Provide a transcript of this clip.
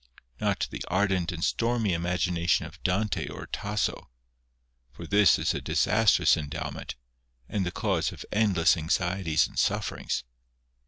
Not the ardent and stormy imagi nation of Dante or Tasso ; for this is a disastrous endow ment, and the cause of endless anxieties and sufferings.